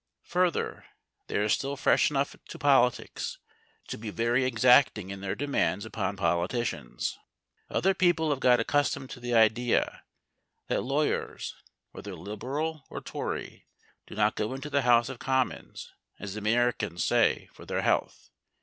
Further, they are still fresh enough to politics to be very exacting in their demands upon politicians. Other people have got accustomed to the idea that lawyers, whether Liberal or Tory, do not go into the House of Commons, as the Americans say, for their health.